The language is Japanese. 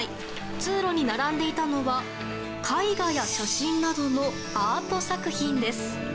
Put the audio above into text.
通路に並んでいたのは絵画や写真などのアート作品です。